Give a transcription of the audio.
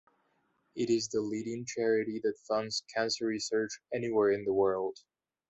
It is the leading charity that funds cancer research anywhere in the world.